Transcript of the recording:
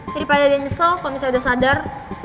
daripada dia nyesel kalo misalnya udah sadar